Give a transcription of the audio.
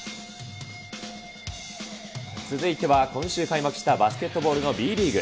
続いては今週開幕したバスケットボールのＢリーグ。